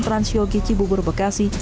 transyogici cibubur bekasi